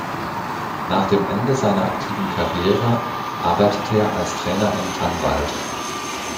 Nach dem Ende seiner aktiven Karriere arbeitete er als Trainer in Tanvald.